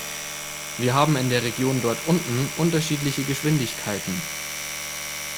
Wir haben in der Region dort unten unterschiedliche Geschwindigkeiten.